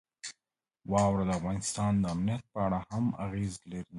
واوره د افغانستان د امنیت په اړه هم اغېز لري.